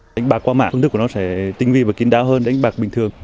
đánh bạc qua mạng phương thức của nó sẽ tinh vi và kín đáo hơn đánh bạc bình thường